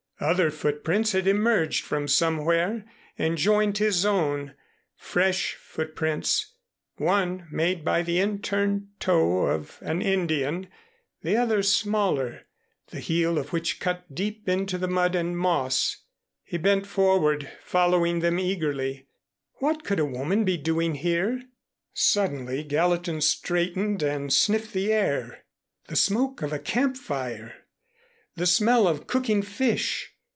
Other footprints had emerged from somewhere and joined his own, fresh footprints, one made by the in turned toe of an Indian, the other smaller, the heel of which cut deep into the mud and moss. He bent forward following them eagerly. What could a woman be doing here? Suddenly Gallatin straightened and sniffed the air. The smoke of a camp fire! The smell of cooking fish!